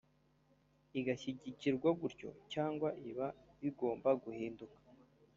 bigashyigikirwa gutyo cyangwa iba bigomba guhinduka